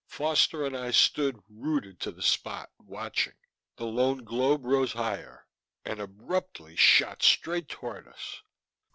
Foster and I stood, rooted to the spot, watching. The lone globe rose higher and abruptly shot straight toward us.